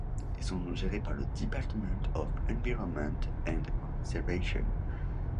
Ils sont gérés par le Department of Environment and Conservation.